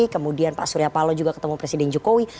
kemudian pak surya palo juga ketemu presiden jokowi